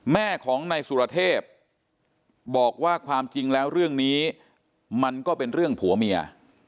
แม่ของนายสุรเทพบอกว่าความจริงแล้วเรื่องนี้มันก็เป็นเรื่องผัวเมีย